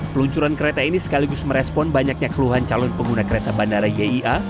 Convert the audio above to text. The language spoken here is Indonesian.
peluncuran kereta ini sekaligus merespon banyaknya keluhan calon pengguna kereta bandara yia